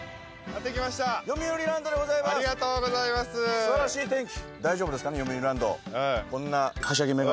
すばらしい天気。